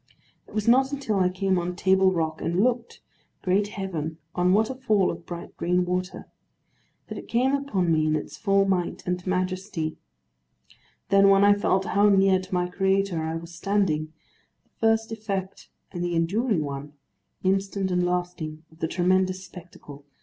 It was not until I came on Table Rock, and looked—Great Heaven, on what a fall of bright green water!—that it came upon me in its full might and majesty. Then, when I felt how near to my Creator I was standing, the first effect, and the enduring one—instant and lasting—of the tremendous spectacle, was Peace.